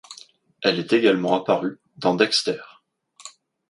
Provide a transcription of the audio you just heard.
Elle est également apparue dans Dexter.